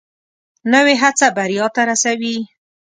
نوې هڅه بریا ته رسوي